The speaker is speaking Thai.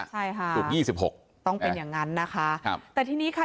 ใช่ค่ะศุกร์ยี่สิบหกต้องเป็นอย่างนั้นนะคะครับแต่ทีนี้ค่ะ